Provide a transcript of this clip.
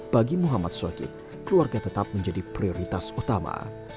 bagi muhammad sokib keluarga tetap menjadi prioritas utama